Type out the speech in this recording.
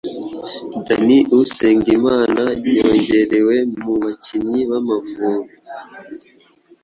Danny Usengimana yongerewe mu bakinnyi b’Amavubi